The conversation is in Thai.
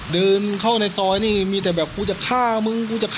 เดินเข้าในซ้อยนี่มีแต่แบบกูจะฆ่ามึง